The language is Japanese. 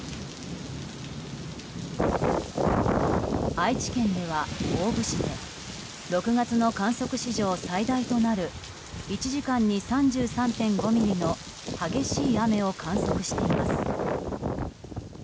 愛知県では大府市で６月の観測史上最大となる１時間に３３．５ミリの激しい雨を観測しています。